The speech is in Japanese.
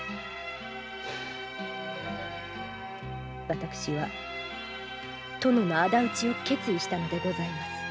私は殿の仇討ちを決意したのでございます。